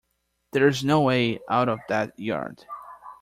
There is no way out of that yard.